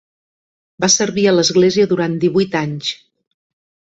Va servir a l'església durant divuit anys.